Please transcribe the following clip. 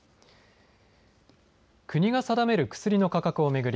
国が定める薬の価格を巡り